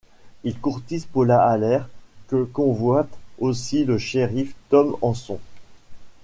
Il courtise Paula Haller que convoite aussi le shérif Tom Hanson.